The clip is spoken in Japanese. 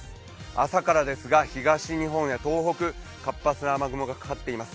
朝から東日本や東北、活発な雨雲がかかっています。